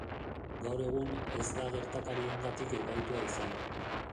Gaur egun, ez da gertakariengatik epaitua izan.